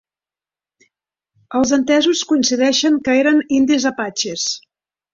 Els entesos coincideixen que eren indis apatxes.